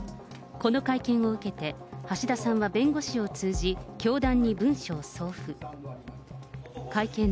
この会見を受けて、橋田さんは弁護士を通じ、教団に文書を送付。